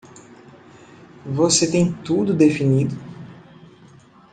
Você tem tudo definido?